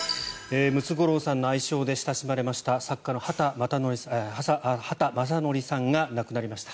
ムツゴロウさんの愛称で親しまれました作家の畑正憲さんが亡くなりました。